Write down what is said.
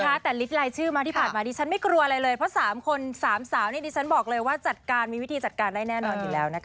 ค่ะแต่ลิตลายชื่อมาที่ผ่านมาดิฉันไม่กลัวอะไรเลยเพราะสามคนสามสาวนี่ดิฉันบอกเลยว่าจัดการมีวิธีจัดการได้แน่นอนอยู่แล้วนะคะ